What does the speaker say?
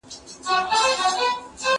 زه به د ژبي تمرين کړی وي